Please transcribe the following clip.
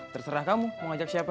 terserah kamu mau ajak siapa